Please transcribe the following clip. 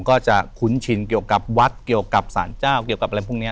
ก็จะคุ้นชินเกี่ยวกับวัดเกี่ยวกับสารเจ้าเกี่ยวกับอะไรพวกนี้